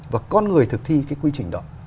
và con người thực thi cái quy trình đó